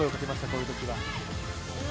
こういうときは。